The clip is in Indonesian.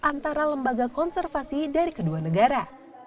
antara lembaga konservasi dari kedua negara